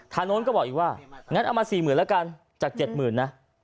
โน้นก็บอกอีกว่างั้นเอามา๔๐๐๐แล้วกันจาก๗๐๐๐นะ